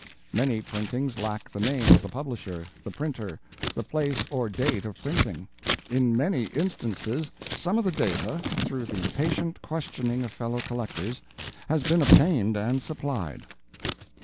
Many printings lack the name of the publisher, the printer, the place or date of printing. In many instances some of the data, through the patient questioning of fellow collectors, has been obtained and supplied.